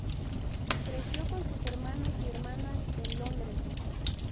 Creció con sus hermanos y hermanas en Londres.